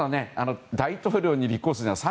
大統領に立候補するにはまだね。